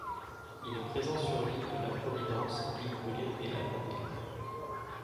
Il est présent sur l'île de la Providence, l'île Brûlée et la Grande Île.